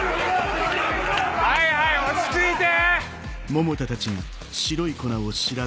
はいはい落ち着いて！